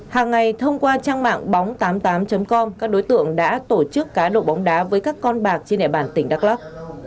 hàng ngày thông qua trang mạng bóng tám mươi tám com các đối tượng đã tổ chức cá độ bóng đá với các con bạc trên địa bàn tỉnh đắk lắc